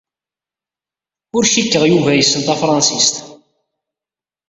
Ur cikkeɣ Yuba yessen tafṛensist.